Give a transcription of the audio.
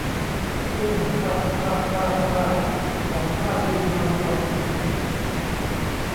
ตู้ม พั่บ พั่บ ป้าบ ป้าบ ถอดผ้าคลุมมาควง